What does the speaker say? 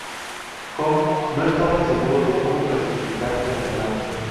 Home no estaba seguro de cómo clasificar el animal.